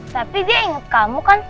tapi dia ingat kamu kan